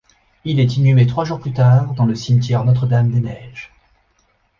Il est inhumé trois jours plus tard dans le cimetière Notre-Dame-des-Neiges.